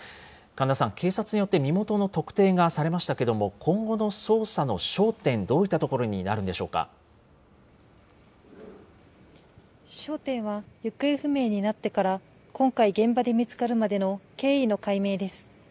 神田さん、警察によって、身元の特定がされましたけれども、今後の捜査の焦点、どういったところ焦点は、行方不明になってから今回、現場で見つかるまでの経緯の解明です。